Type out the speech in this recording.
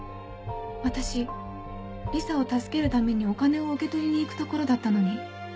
私リサを助けるためにお金を受け取りに行くところだったのに。